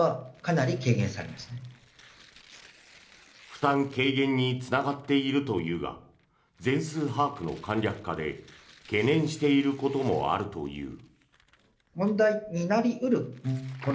負担軽減につながっているというが全数把握の簡略化で懸念していることもあるという。